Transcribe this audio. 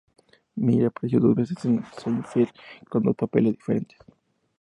Miller apareció dos veces en "Seinfeld", con dos papeles diferentes.